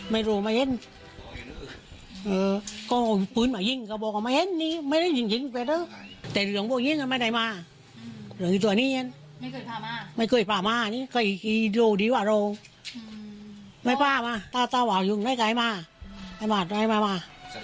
ไม่ปลามาต้าตาว่าอยุ่งได้ไกลมาไกลมามา